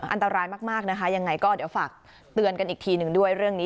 อันตรายมากนะคะยังไงก็เดี๋ยวฝากเตือนกันอีกทีหนึ่งด้วยเรื่องนี้